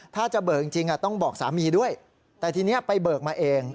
ถ้าจะเบิกจริงต้องบอกสามีด้วยแต่ทีนี้ไปเบิกมาเอง